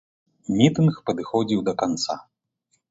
Мітынг падыходзіў да канца.